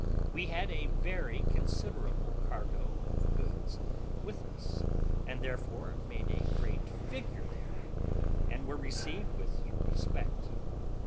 We had a very considerable cargo of goods with us, and therefore made a great figure there, and were received with respect.